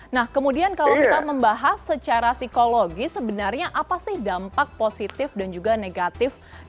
nah kemudian kalau kita membahas secara psikologis sebenarnya apa sih dampak positif dan juga negatif